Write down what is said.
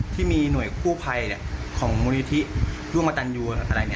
ที่มีหน่วยคู่ภายของมณิธิร่วมกตันยู